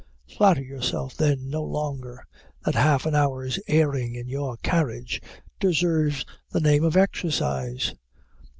Flatter yourself then no longer, that half an hour's airing in your carriage deserves the name of exercise.